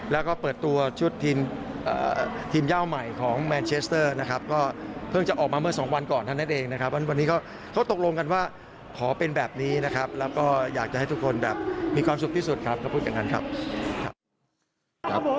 แล้วก็อยากจะให้ทุกคนมีความสุขที่สุดครับขอบคุณกันกันครับ